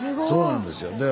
そうなんですよ。